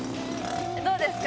どうですか？